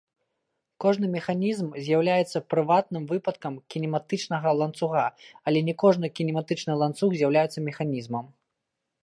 Кожны механізм з'яўляецца прыватным выпадкам кінематычнага ланцуга, але не кожны кінематычны ланцуг з'яўляецца механізмам.